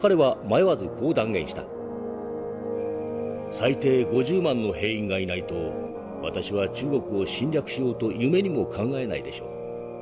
『最低５０万の兵員がいないと私は中国を侵略しようと夢にも考えないでしょう』。